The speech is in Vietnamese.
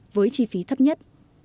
với chi phí thấp nhất